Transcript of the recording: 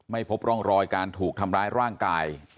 ช่วงที่เขาหายไปใช่ไหม